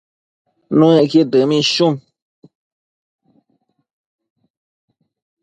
Nuëcqud dëmishnu